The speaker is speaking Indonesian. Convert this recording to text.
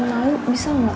naluk bisa gak